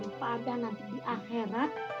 daripada nanti di akhirat